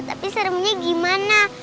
tapi seremnya gimana